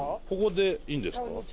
ここでいいんですか？